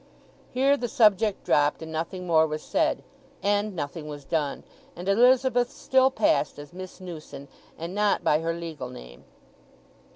Here the subject dropped, and nothing more was said, and nothing was done, and Elizabeth still passed as Miss Newson, and not by her legal name.